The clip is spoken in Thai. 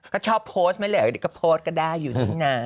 ก็ชอบโพสต์ไหมแหละเดี๋ยวก็โพสต์ก็ได้อยู่นี่นะ